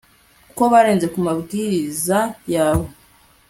kuko barenze ku mabwiriza yawe